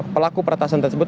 pelaku peretasan tersebut